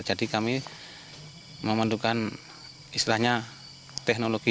jadi kami memandukan istilahnya teknologi